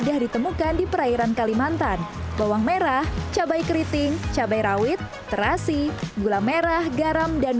mudah ditemukan di perairan kalimantan bawang merah cabai keriting cabai rawit terasi gula merah garam dan